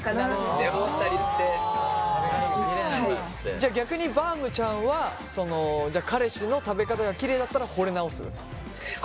じゃあ逆にバームちゃんは彼氏の食べ方がキレイだったらほれ直す？